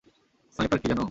Sniper কী জানো?